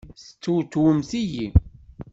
Testewtwemt-iyi!